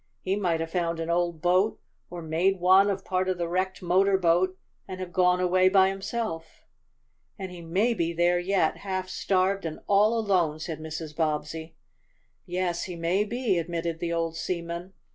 "He might have found an old boat, or made one of part of the wrecked motor boat, and have gone away by himself." "And he may be there yet, half starved and all alone," said Mrs. Bobbsey. "Yes, he may be," admitted the old seaman.